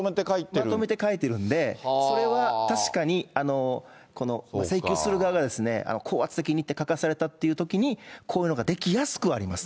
まとめて書いてるんで、それは確かに請求する側は高圧的に書かされたというときに、こういうのができやすくはあります。